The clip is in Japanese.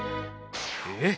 えっ！